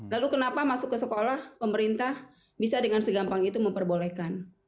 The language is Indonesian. lalu kenapa masuk ke sekolah pemerintah bisa dengan segampang itu memperbolehkan